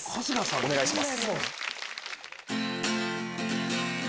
お願いします。